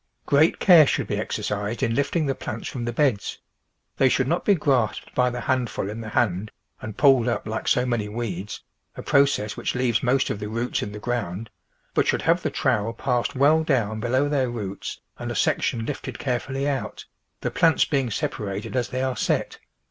Great care should be exercised in lifting the plants from the beds; they should not be grasped by the handful in the hand and pulled up like so many weeds — a process which leaves most of the roots in the ground — but should have the trowel passed well down below their roots and a section lifted carefully out, the plants being separated as they are set.